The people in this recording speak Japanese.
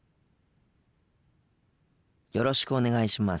よろしくお願いします。